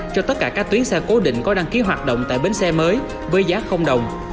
cho tất cả các tuyến xe cố định có đăng ký hoạt động tại bến xe mới với giá đồng